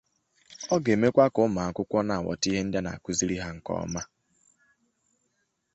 Ya bụ nwaanyị